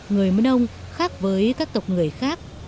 người mân âu khác với các tộc người khác